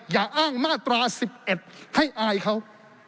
อย่าอ้างมาตรา๑๑ให้อายเขา